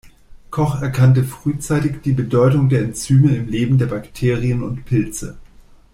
Koch erkannte frühzeitig die Bedeutung der Enzyme im Leben der Bakterien und Pilze.